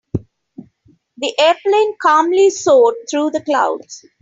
The airplane calmly soared through the clouds.